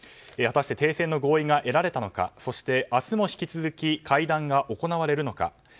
果たして停戦の合意が得られたのかそして、明日も引き続き会談が行われるのか。